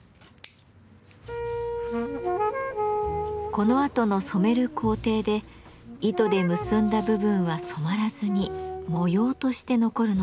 このあとの染める工程で糸で結んだ部分は染まらずに模様として残るのです。